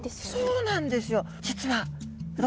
そうなんですよ。